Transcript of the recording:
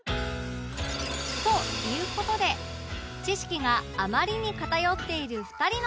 という事で知識があまりに偏っている２人のために